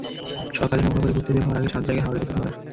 সকালে নৌকা করে ঘুরতে বের হওয়ার আগে সাধ জাগে হাওরে গোসল করার।